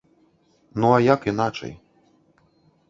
Ну, а як іначай.